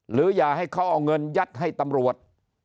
อย่าให้เขาเอาเงินยัดให้ตำรวจ